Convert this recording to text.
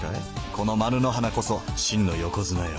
このマヌ乃花こそ真の横綱よ。